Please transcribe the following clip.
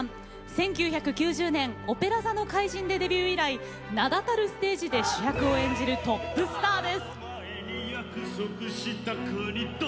１９９０年「オペラ座の怪人」でデビュー以来名だたるステージで主役を演じるトップスターです。